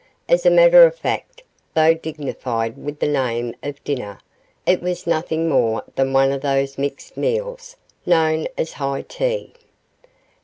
As a matter of fact, though dignified with the name of dinner, it was nothing more than one of those mixed meals known as high tea.